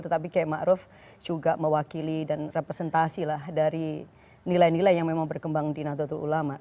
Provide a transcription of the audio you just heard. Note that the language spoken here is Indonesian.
tetapi yaimaro juga mewakili dan representasi lah dari nilai nilai yang memang berkembang di natuatu ulama